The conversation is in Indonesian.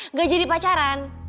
nggak jadi pacaran